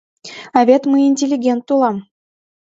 А вет мый интеллигент улам.